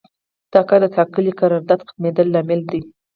د کار د ټاکلي قرارداد ختمیدل لامل دی.